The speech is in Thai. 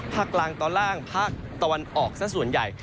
ภาคกลางตอนล่างภาคตะวันออกซะส่วนใหญ่